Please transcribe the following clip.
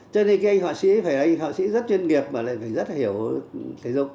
cho nên cái anh họa sĩ phải là anh họa sĩ rất chuyên nghiệp mà lại phải rất là hiểu thể dục